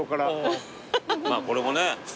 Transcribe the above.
まあこれもね。